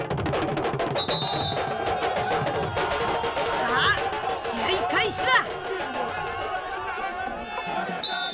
さあ試合開始だ！